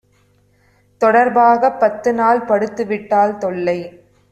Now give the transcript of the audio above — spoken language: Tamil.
தொடர்பாகப் பத்துநாள் படுத்துவிட்டாள் தொல்லை!